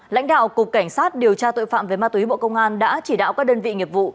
lãnh đạo cục cảnh sát điều tra tội phạm về ma túy bộ công an đã chỉ đạo các đơn vị nghiệp vụ